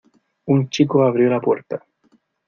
Un chico abrió la puerta.